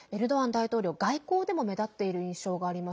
大統領外交でも目立っている印象があります。